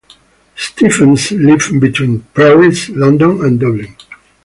Stephens lived between Paris, London and Dublin.